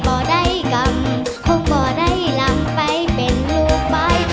บ่ได้กรรมคงบ่ได้หลังไปเป็นลูกไป